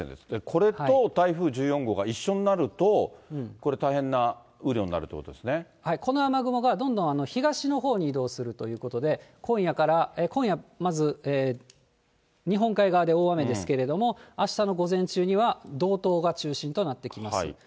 これと台風１４号が一緒になると、これ、大変な雨量になるというここの雨雲がどんどん東のほうに移動するということで、今夜から今夜まず、日本海側で大雨ですけれども、あしたの午前中には道東が中心となってきます。